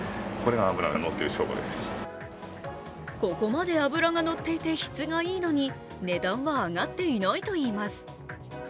ここまで脂がのっていて質がいいのに値段は上がっていないといいます。